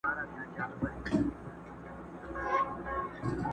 لا هم پاڼي پاڼي اوړي دا زما د ژوند کتاب.